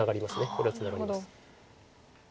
これはツナがります。